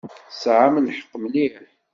Tesɛamt lḥeqq mliḥ.